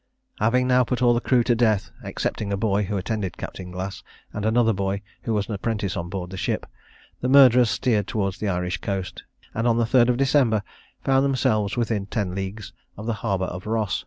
Having now put all the crew to death, excepting a boy who attended Captain Glass, and another boy who was an apprentice on board the ship, the murderers steered towards the Irish coast, and on the 3rd of December found themselves within ten leagues of the harbour of Ross.